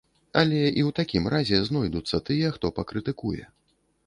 Але і ў такім разе знойдуцца тыя, хто пакрытыкуе.